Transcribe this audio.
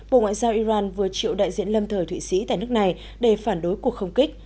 bộ ngoại giao iran vừa chịu đại diện lâm thời thụy sĩ tại nước này để phản đối cuộc không kích